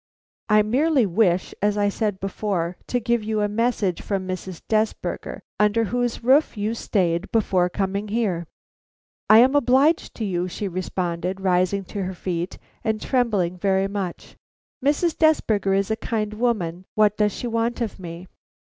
I merely wish, as I said before, to give you a message from Mrs. Desberger, under whose roof you stayed before coming here." "I am obliged to you," she responded, rising to her feet, and trembling very much. "Mrs. Desberger is a kind woman; what does she want of me?"